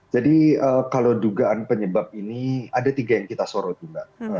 jadi kalau dugaan penyebab ini ada tiga yang kita sorot juga